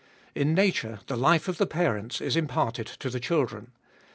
In nature the life of the parents is imparted to the children.